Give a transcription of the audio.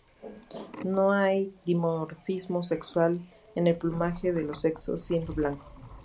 No hay dimorfismo sexual en el plumaje de los sexos, siendo blanco.